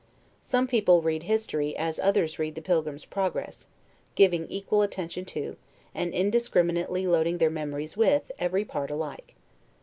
Some people read history as others read the "Pilgrim's Progress"; giving equal attention to, and indiscriminately loading their memories with, every part alike.